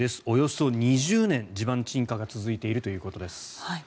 およそ２０年、地盤沈下が続いているということです。